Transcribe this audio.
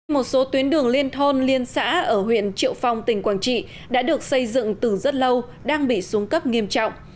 một số tuyến đường liên thôn liên xã ở huyện triệu phong tỉnh quảng trị đã được xây dựng từ rất lâu đang bị xuống cấp nghiêm trọng